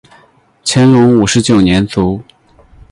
乾隆五十九年卒。